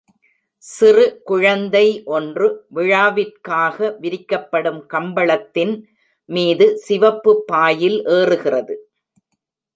சிறு குழந்தை ஒன்று விழாவிற்காக விரிக்கப்படும் கம்பளத்தின் மீது சிவப்பு பாயில் ஏறுகிறது.